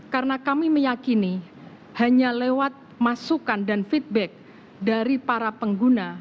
karena kami meyakini hanya lewat masukan dan feedback dari para pengguna